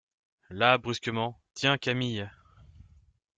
Là, brusquement : Tiens, Camille !